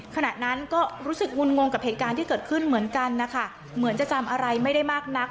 ขณะนั้นก็รู้สึกงุนงงกับเหตุการณ์ที่เกิดขึ้นเหมือนกันนะคะเหมือนจะจำอะไรไม่ได้มากนัก